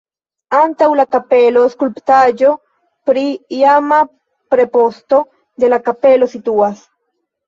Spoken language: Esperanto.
Antaŭ la kapelo skulptaĵo pri iama preposto de la kapelo situas.